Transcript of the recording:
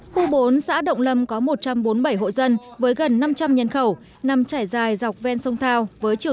khu bốn xã động lâm có một trăm bốn mươi bảy hộ dân với gần năm trăm linh nhân khẩu nằm chảy dài dọc ven sông thao với chiều